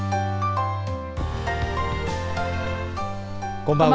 こんばんは。